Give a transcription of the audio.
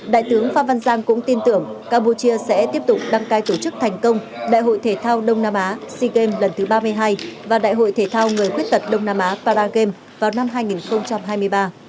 đại tướng phan văn giang cũng tin tưởng campuchia sẽ tiếp tục đăng cai tổ chức thành công đại hội thể thao đông nam á sea games lần thứ ba mươi hai và đại hội thể thao người khuyết tật đông nam á paragame vào năm hai nghìn hai mươi ba